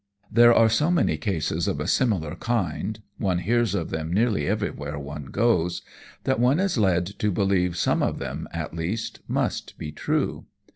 There are so many cases of a similar kind one hears of them nearly everywhere one goes that one is led to believe some of them, at least, must be true.